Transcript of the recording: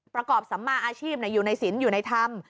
สัมมาอาชีพอยู่ในศิลป์อยู่ในธรรม